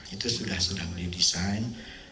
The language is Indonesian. itu sudah sedang didesain